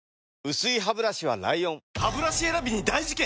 薄いハブラシは ＬＩＯＮハブラシ選びに大事件！